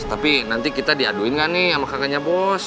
tapi nanti kita diaduin gak nih sama kakaknya bos